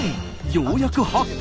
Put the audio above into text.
ようやく発見！